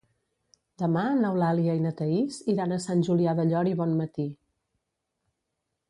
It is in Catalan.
Demà n'Eulàlia i na Thaís iran a Sant Julià del Llor i Bonmatí.